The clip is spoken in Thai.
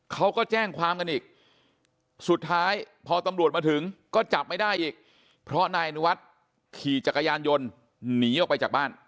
เขาก็แจ้งความกันอีกสุดท้ายพอตำรวจมาถึงก็จับไม่ได้อีกเพราะนายอนุวัฒน์ขี่จักรยานยนต์หนีออกไปจากบ้าน